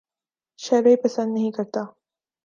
شاعری پسند نہیں کرتا